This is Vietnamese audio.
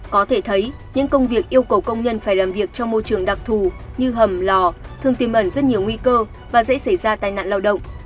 có thể thấy những công việc yêu cầu công nhân phải làm việc trong môi trường đặc thù như hầm lò thường tìm ẩn rất nhiều nguy cơ và dễ xảy ra tai nạn lao động